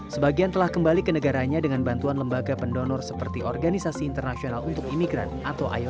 sebagian telah kembali ke negaranya dengan bantuan lembaga pendonor seperti organisasi internasional untuk imigran atau io